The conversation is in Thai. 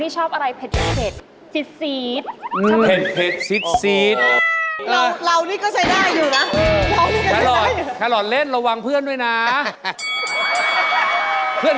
ชอบไหมแกงมัสมัน